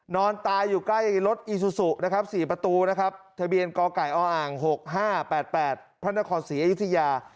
นอนตายอยู่ใกล้รถอีซูซูนะครับ๔ประตูนะครับทะเบียนกไก่ออ๖๕๘๘พระนครศรีอยุธยา